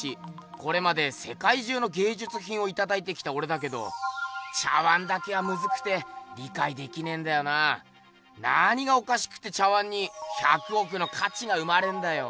これまでせかい中のげいじゅつひんをいただいてきたおれだけど茶碗だけはムズくて理かいできねんだよなぁ。何がおかしくて茶碗に「１００億のかち」が生まれんだよ。